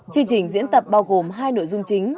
chương trình diễn tập bao gồm hai nội dung chính